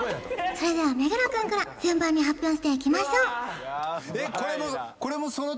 それでは目黒くんから順番に発表していきましょうえっ